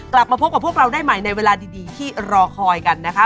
กลับมาพบกับพวกเราได้ใหม่ในเวลาดีที่รอคอยกันนะคะ